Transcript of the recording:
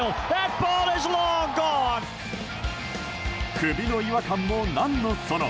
首の違和感も何のその。